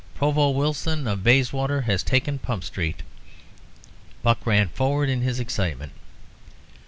Provost Wilson of Bayswater has taken Pump Street." Buck ran forward in his excitement.